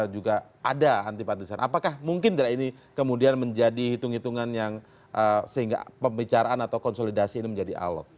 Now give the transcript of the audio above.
juga ada anti pantasan apakah mungkin ini kemudian menjadi hitung hitungan yang sehingga pembicaraan atau konsolidasi ini menjadi alok